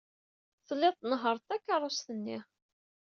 Telliḍ tnehhṛeḍ takeṛṛust-nni.